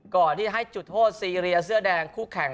ก่อนที่ให้จุดโทษซีเรียเสื้อแดงคู่แข่ง